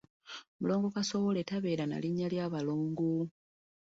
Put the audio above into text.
Omulongo kasowole tabeera na linnya lya Balongo.